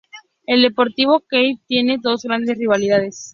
El Deportivo Cali tiene dos grandes rivalidades.